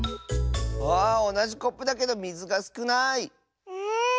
あおなじコップだけどみずがすくない！